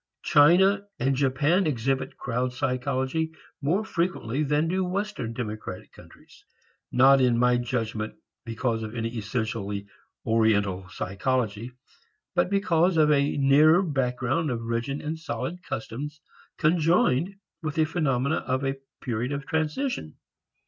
China and Japan exhibit crowd psychology more frequently than do western democratic countries. Not in my judgment because of any essentially Oriental psychology but because of a nearer background of rigid and solid customs conjoined with the phenomena of a period of transition.